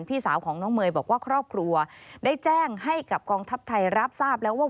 พี่สาวของน้องเมย์บอกว่าครอบครัวได้แจ้งให้กับกองทัพไทยรับทราบแล้วว่า